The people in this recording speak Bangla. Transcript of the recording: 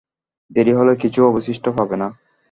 দেরী হলে কিছুই অবশিষ্ট পাবে না।